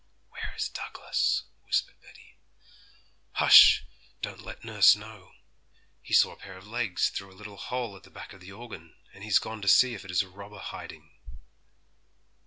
'Where is Douglas?' whispered Betty. 'Hush! don't let nurse know; he saw a pair of legs through a little hole at the back of the organ, and he's gone to see if it is a robber hiding.'